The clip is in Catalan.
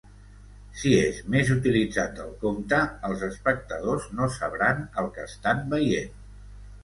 Si és més utilitzat del compte, els espectadors no sabran el que estan veient.